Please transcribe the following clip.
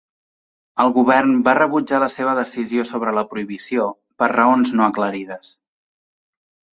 El govern va rebutjar la seva decisió sobre la prohibició per raons no aclarides.